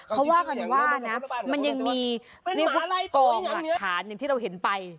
เขาว่ากันว่านะมันยังมีกองหลักฐานที่เราเห็นไป